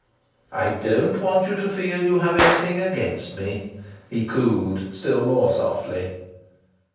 "I don't want you to feel you have anything against me," he cooed still more softly.